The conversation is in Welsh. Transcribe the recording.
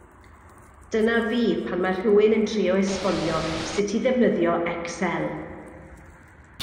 Dyna fi pan mae rhywun yn trio esbonio sut i ddefnyddio Excel.